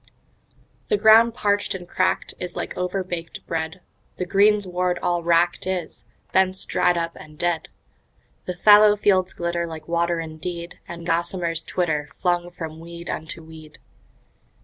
The ground parched and cracked is like overbaked bread, The greensward all wracked is, bents dried up and dead. The fallow fields glitter like water indeed, And gossamers twitter, flung from weed unto weed.